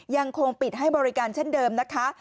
ยังคงปิดให้บริการเช่นเดิมนะคะ